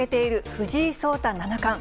藤井聡太七冠。